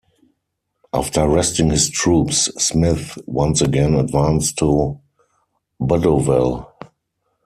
After resting his troops, Smith once again advanced to Buddowal.